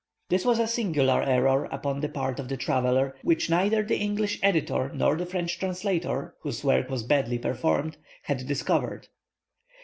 This was a singular error upon the part of the traveller, which neither the English editor nor the French translator (whose work was badly performed) had discovered.